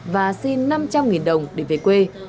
và xin năm trăm linh đồng để về quê